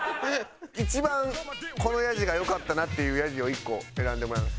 一番このヤジが良かったなっていうヤジを１個選んでもらえます？